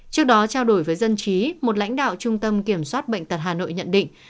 trước đó trao đổi với dân trí một lãnh đạo trung tâm kiểm soát bệnh tật hà nội nhận định